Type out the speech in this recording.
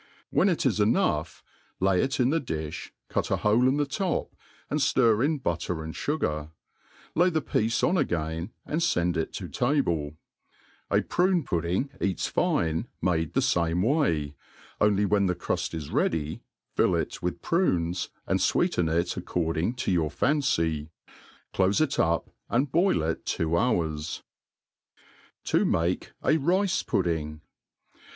When it is enough, lay it in the di(h, cut a hole in the top, and flir in butter and fugarj lay the piece on again, and fend it to table, A pj une pudding eats fine, made the fame way, oixly wheo the cruft is ready, fill it with prunes, and fweeten it according to your fancy 3 clofe it up, and boil it two hQ^r9• To make a Rice* Pudding.